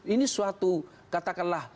ini suatu katakanlah